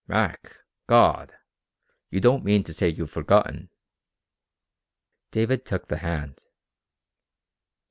"Mac! God! You don't mean to say you've forgotten...." David took the hand.